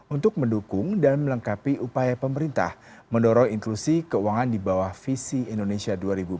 untuk mendukung dan melengkapi upaya pemerintah mendorong inklusi keuangan di bawah visi indonesia dua ribu dua puluh